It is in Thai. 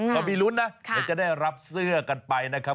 ก็มีรุ่นนะจะได้รับเสื้อกันไปนะครับ